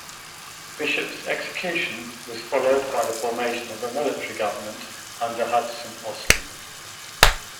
Bishop's execution was followed by the formation of a military government under Hudson Austin.